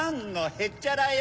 へっちゃらよ。